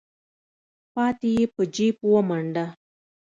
پاتې يې په جېب ومنډه.